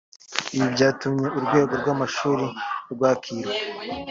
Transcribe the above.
Ibi byatumye Urwunge rw’amashuri rwa Kirwa